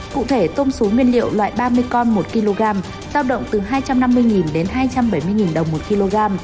cụ thể tôm xú nguyên liệu loại ba mươi con một kg giao động từ hai trăm năm mươi đến hai trăm bảy mươi đồng một kg